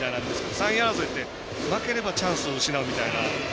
３位争いって負ければチャンスを失うみたいな。